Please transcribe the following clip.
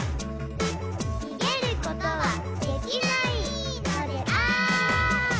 「逃げることはできないのである」